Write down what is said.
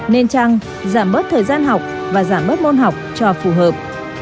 nên chăng giảm bớt thời gian học và giảm bớt môn học cho phù hợp